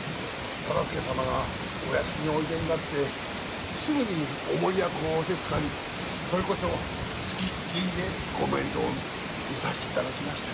忠相様がお屋敷においでになってすぐにお守り役を仰せつかりそれこそつきっきりでご面倒を見させていただきました。